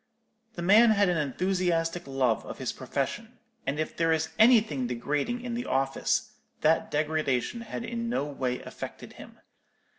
The man had an enthusiastic love of his profession; and if there is anything degrading in the office, that degradation had in no way affected him.